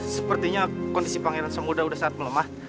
sepertinya kondisi pengairan samudera sudah sangat melemah